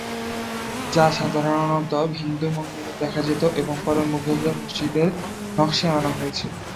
যা সাধারণত হিন্দু মন্দিরে দেখা যেত এবং পরে মুঘলদের মসজিদের নকশায় আনা হয়েছিল।